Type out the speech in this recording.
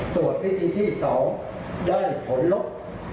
ตรวจวิธีที่สองได้ผลลบ